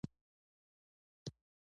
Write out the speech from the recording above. هند او افغانستان